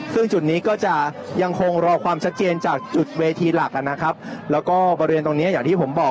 ซึ่งจุดนี้ก็จะยังคงรอความชัดเจนจากจุดเวทีหลักนะครับแล้วก็บริเวณตรงเนี้ยอย่างที่ผมบอก